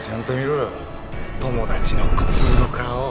お友達の苦痛の顔を。